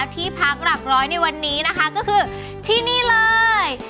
ที่นี่เลย